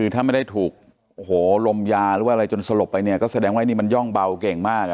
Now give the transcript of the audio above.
ถ้าไม่ได้ถูกโอ้โหลมยาหรือว่าอะไรจนสลบไปเนี่ยก็แสดงว่านี่มันย่องเบาเก่งมาก